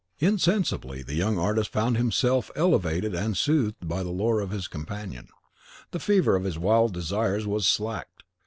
Insensibly the young artist found himself elevated and soothed by the lore of his companion; the fever of his wild desires was slaked.